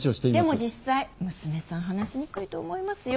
でも実際娘さん話しにくいと思いますよ？